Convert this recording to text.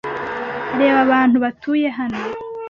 Reba abantu batuye hano